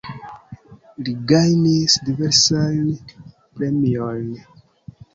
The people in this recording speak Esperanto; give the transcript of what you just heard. Li gajnis diversajn premiojn.